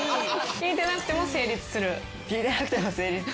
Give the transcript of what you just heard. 聞いてなくても成立するし。